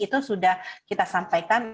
itu sudah kita sampaikan